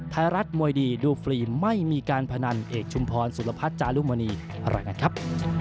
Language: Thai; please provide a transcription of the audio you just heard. ไทยรัฐมวยดีดูฟรีไม่มีการพนันเอกชุมพรสุรพัฒน์จารุมณีรายงานครับ